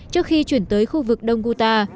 trước khi chuyển tới khu vực đông guta